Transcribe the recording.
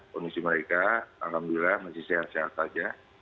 kondisi mereka alhamdulillah masih sehat sehat saja